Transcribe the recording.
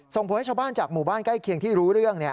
ส่งผลให้ชาวบ้านจากหมู่บ้านใกล้เคียงที่รู้เรื่อง